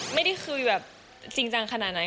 ไม่ดิคืออยู่แบบจริงจังขนาดนั้น